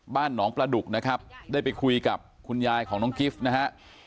บ้านหนองประดุกนะครับได้ไปคุยกับคุณยายของน้องกิฟต์นะฮะ